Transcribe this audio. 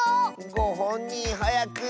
ごほんにんはやく。